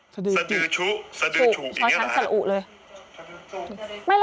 สดือฉุสดือฉุอย่างนี้เหรอฮะ